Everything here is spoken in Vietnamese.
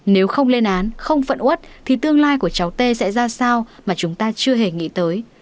nếu không lên án không phận út thì tương lai của cháu tê sẽ ra sao mà chúng ta chưa hề nghĩ tới